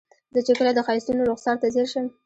زه چې کله د ښایستونو رخسار ته ځیر شم.